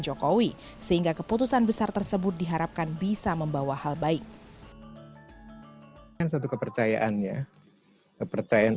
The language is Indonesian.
jokowi sehingga keputusan besar tersebut diharapkan bisa membawa hal baik satu kepercayaan ya kepercayaan